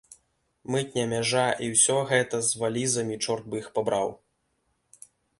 Мытня, мяжа, і ўсё гэта з валізамі, чорт бы іх пабраў!